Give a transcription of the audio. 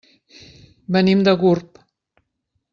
Venim de Gurb.